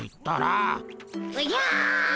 おじゃ！